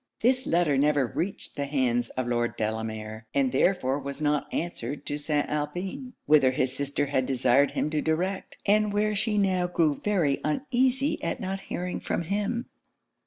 This letter never reached the hands of Lord Delamere, and therefore was not answered to St. Alpin; whither his sister had desired him to direct, and where she now grew very uneasy at not hearing from him.